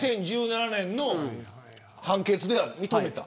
２０１７年の判決では認めた。